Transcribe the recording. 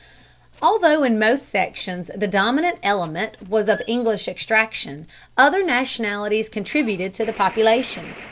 Although in most sections the dominant element was of English extraction, other nationalities contributed to the population.